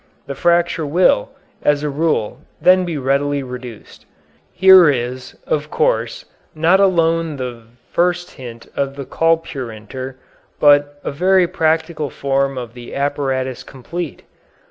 The fracture will, as a rule, then be readily reduced. Here is, of course, not alone the first hint of the colpeurynter, but a very practical form of the apparatus complete.